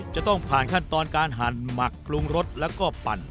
จะต้องผ่านขั้นตอนการหั่นหมักปรุงรสแล้วก็ปั่น